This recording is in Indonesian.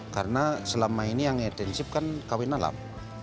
karena selama ini yang ekstensif kan kawin alam